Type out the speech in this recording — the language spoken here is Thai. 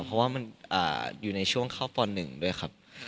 เพราะว่ามันอยู่ในช่วงเข้าป๑ด้วยครับ